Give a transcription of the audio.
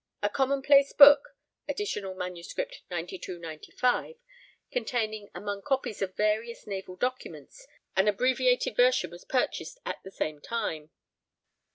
A commonplace book (Additional MS. 9295) containing, among copies of various naval documents, an abbreviated version was purchased at the same time.